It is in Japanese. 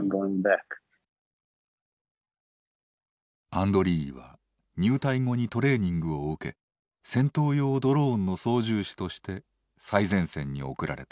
アンドリーイは入隊後にトレーニングを受け戦闘用ドローンの操縦士として最前線に送られた。